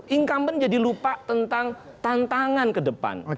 income nya jadi lupa tentang tantangan ke depan